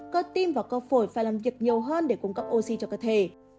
cơ tim và cơ phổi phải làm việc nhiều hơn để cung cấp oxy cho cơ thể